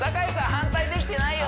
反対できてないよ！